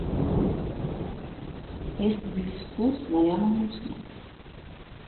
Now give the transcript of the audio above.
Если все это безвкусно, я могу снять.